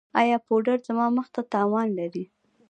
ایا پوډر زما مخ ته تاوان لري؟